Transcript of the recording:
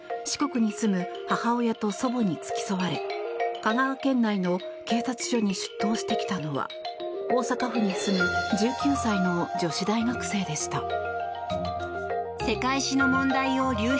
四国に住む母親と祖母に付き添われ香川県内の警察署に出頭してきたのは大阪府に住む１９歳の女子大学生でした。